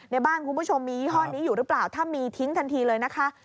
บ้านคุณผู้ชมมียี่ห้อนี้อยู่หรือเปล่าถ้ามีทิ้งทันทีเลยนะคะ